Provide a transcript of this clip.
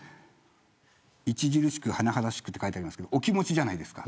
著しく甚だしくと書いてありますがお気持ちじゃないですか。